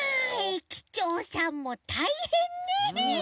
駅長さんもたいへんね。